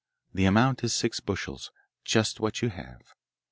The amount is six bushels just what you have.